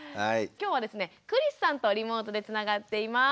きょうはですね栗栖さんとリモートでつながっています。